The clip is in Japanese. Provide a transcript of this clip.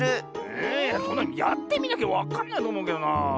えそんなのやってみなきゃわかんないとおもうけどなあ。